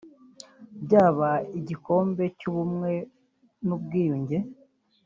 byaba ibikombe by’ubumwe n’ubwiyunge